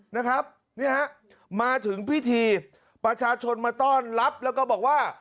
นะครับเนี่ยฮะมาถึงพิธีประชาชนมาต้อนรับแล้วก็บอกว่า